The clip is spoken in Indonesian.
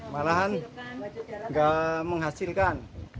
malahan nggak menghasilkan